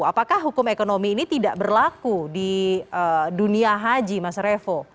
apakah hukum ekonomi ini tidak berlaku di dunia haji mas revo